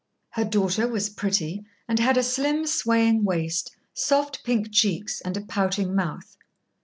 Her daughter was pretty, and had a slim, swaying waist, soft pink cheeks, and a pouting mouth.